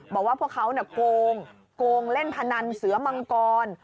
บอกว่าพวกเขาโกงเล่นพนันเสือมังกร